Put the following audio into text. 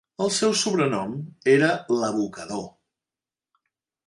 El seu sobrenom era "l'abocador".